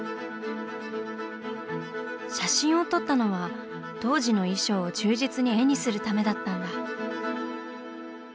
写真を撮ったのは当時の衣装を忠実に絵にするためだったんだ。